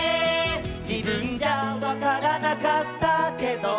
「じぶんじゃわからなかったけど」